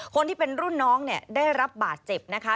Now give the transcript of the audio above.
คนที่เป็นรุ่นน้องเนี่ยได้รับบาดเจ็บนะคะ